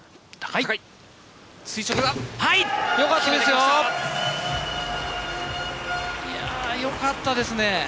いやあ、良かったですね。